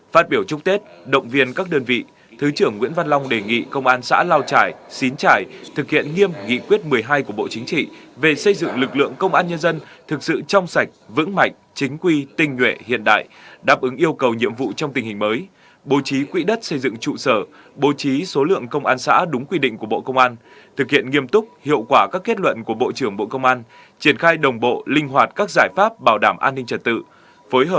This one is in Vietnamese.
phát biểu chúc tết động viên các đơn vị thứ trưởng nguyễn văn long đề nghị công an xã lao trải xín trải thực hiện nghiêm nghị quyết một mươi hai của bộ chính trị về xây dựng lực lượng công an nhân dân thực sự trong sạch vững mạnh chính quy tinh nguyện hiện đại đáp ứng yêu cầu nhiệm vụ trong tình hình mới bố trí quỹ đất xây dựng trụ sở bố trí số lượng công an xã đúng quy định của bộ công an thực hiện nghiêm túc hiệu quả các kết luận của bộ trưởng bộ công an triển khai đồng bộ linh hoạt các giải pháp bảo đảm an ninh trật tự phối h